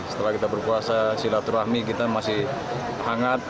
setelah kita berpuasa silaturahmi kita masih hangat